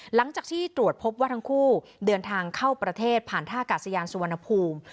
หลังจากที่ตรวจพบว่าทั้งคู่เดินทางเข้าประเทศผ่านท่ากาศยานสุวรรณภูมิ